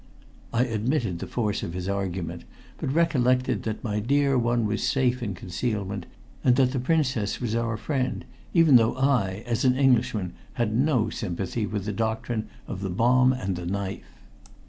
I admitted the force of his argument, but recollected that my dear one was safe in concealment, and that the Princess was our friend, even though I, as an Englishman, had no sympathy with the doctrine of the bomb and the knife.